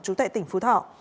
trú tại tỉnh phú thọ